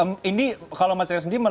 atau mungkin menyusul nanti breakdownnya